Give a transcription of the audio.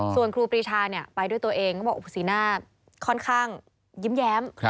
ส่วนครูปรีชาไปด้วยตัวเองก็บอกสีหน้าค่อนข้างยิ้มแย้ม